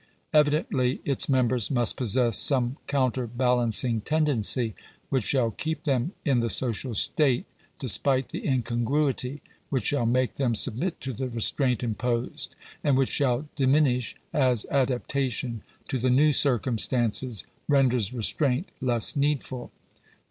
Evidently its members must possess some counterbalancing tendency which shall keep them in the social state despite the incongruity — which shall make them submit to the restraint imposed — and which shall diminish as adaptation to the new circumstances renders restraint less needful.